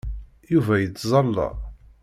Yuba yettẓalla.